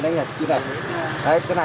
đấy cái này thì mai cái thực ra cái này